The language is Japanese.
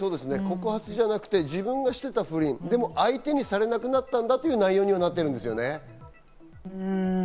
告発じゃなくて、自分がしていた不倫、相手にされなくなったんだという内容になっているんですよね。